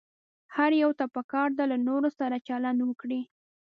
هر يوه ته پکار ده له نورو سره چلند وکړي.